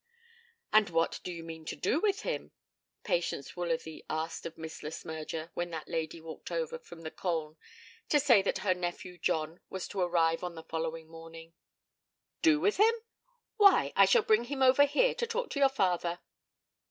And what do you mean to do with him? Patience Woolsworthy asked of Miss Le Smyrger when that lady walked over from the Colne to say that her nephew John was to arrive on the following morning. 'Do with him? Why, I shall bring him over here to talk to your father.'